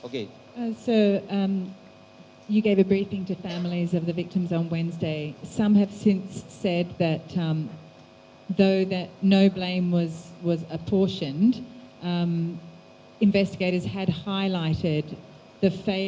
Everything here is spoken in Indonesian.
pertanyaan terakhir dari pilot di jakarta denpasar untuk memperlihatkan masalah yang dia alami sebelum penerbangan penerbangan penerbangan penerbangan penerbangan